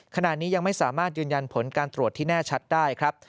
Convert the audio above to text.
ขณะนี้ยังไม่สามารถยืนยันผลการตรวจที่แน่ชัดได้ครับ